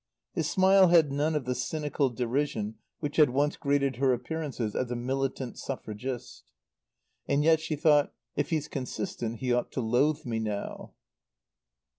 His smile had none of the cynical derision which had once greeted her appearances as a militant suffragist. "And yet," she thought, "if he's consistent, he ought to loathe me now."